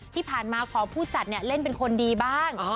ที่ผ่านมาขอผู้จัดเล่นเป็นคนดีบ้าง